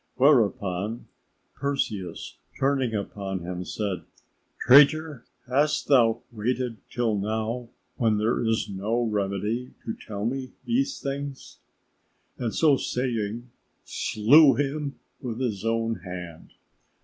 Whereupon Perseus turning upon him said, "Traitor, hast thou waited till now when there is no remedy to tell me these things?" and so saying, slew him with his own hand.